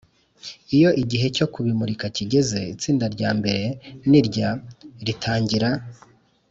Iyo igihe cyo kubimurika kigeze, itsinda ryambere nirya ritangira